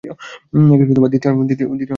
দ্বিতীয় না তৃতীয়?